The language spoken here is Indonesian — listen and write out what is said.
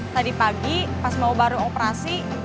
tadi pagi pas mau baru operasi